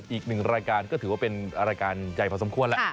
อีกหนึ่งรายการก็ถือว่าเป็นรายการใหญ่พอสมควรแล้ว